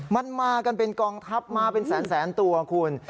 มันมากันเป็นกองทัพมาเป็นแสนตัวคุณ